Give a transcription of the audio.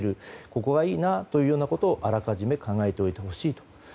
ここがいいなということをあらかじめ考えておいてほしいと。